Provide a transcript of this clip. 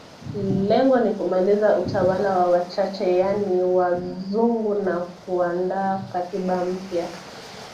Lengo ni kumaliza utawala wa wachache yani wa wazungu na kuandaa katiba mpya